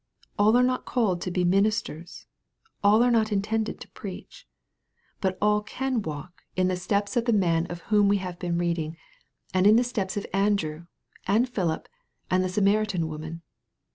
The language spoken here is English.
All are not called to be ministers. All are not intended to preach. But all can walk in the 5 98 EXPOSITORY THOUGHTS. Bteps of the man of whom we have been reading, and in the steps of Andrew, and Philip, and the Samaritan woman.